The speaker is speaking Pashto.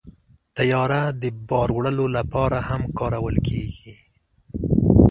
طیاره د بار وړلو لپاره هم کارول کېږي.